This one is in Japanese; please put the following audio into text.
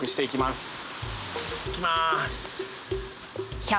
行きます。